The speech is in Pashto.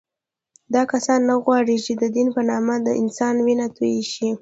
دا کسان نه غواړي چې د دین په نامه د انسان وینه تویه شي